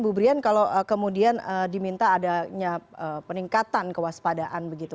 bu brian kalau kemudian diminta adanya peningkatan kewaspadaan begitu